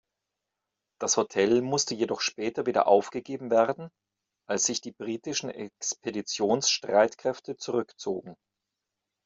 Das Hotel musste jedoch später wieder aufgegeben werden, als sich die britischen Expeditionsstreitkräfte zurückzogen.